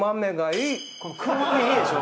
この黒豆いいでしょ。